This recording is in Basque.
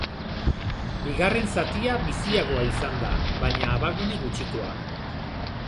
Bigarren zatia biziagoa izan da, baina abagune gutxikoa.